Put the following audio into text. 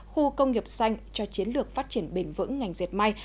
khu công nghiệp xanh cho chiến lược phát triển bền vững ngành dẹp may